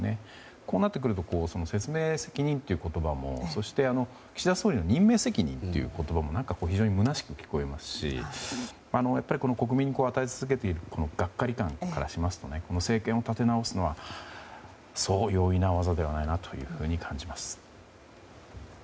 こうなってくるとその説明責任という言葉もそして岸田総理の任命責任という言葉も非常にむなしく聞こえますし国民に与え続けているがっかり感からしますと政権を立て直すのは容易な技ではないと感じます。